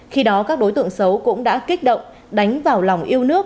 khi đó các đối tượng xấu cũng đã kích động đánh vào lòng yêu nước